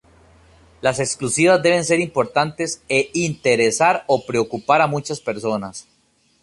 Las exclusivas deben ser importantes e interesar o preocupar a muchas personas.